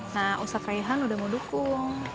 nah ustadz raihan udah mau dukung